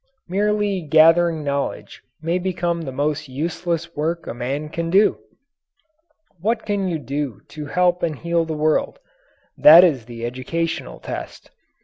Merely gathering knowledge may become the most useless work a man can do. What can you do to help and heal the world? That is the educational test.